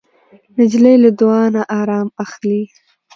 نجلۍ له دعا نه ارام اخلي.